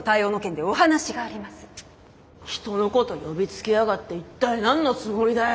人のこと呼びつけやがって一体何のつもりだよ！